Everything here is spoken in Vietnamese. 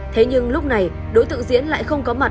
thế nhưng lúc này đối tượng diễn lại không có mặt